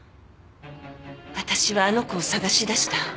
私はあの子を捜し出した。